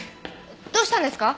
どうしたんですか？